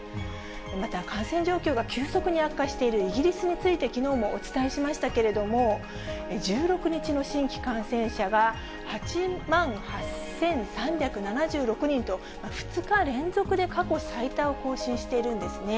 また、感染状況が急速に悪化しているイギリスについてきのうもお伝えしましたけれども、１６日の新規感染者が８万８３７６人と、２日連続で過去最多を更新しているんですね。